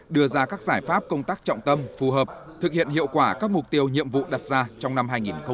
đưa ra các giải pháp công tác trọng tâm phù hợp thực hiện hiệu quả các mục tiêu nhiệm vụ đặt ra trong năm hai nghìn hai mươi